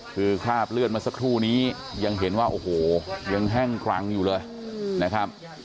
คือคราบเลือดเมื่อสักครู่นี้ยังเห็นว่าโอ้โหยังแห้งกรังอยู่เลยนะครับ